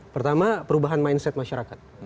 pertama perubahan mindset masyarakat